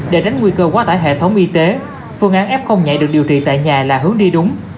để tránh nguy cơ quá tải hệ thống y tế phương án f nhảy được điều trị tại nhà là hướng đi đúng